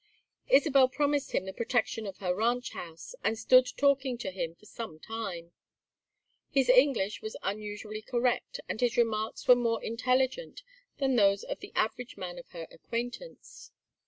Isabel promised him the protection of her ranch house, and stood talking to him for some time. His English was unusually correct and his remarks were more intelligent than those of the average man of her acquaintance.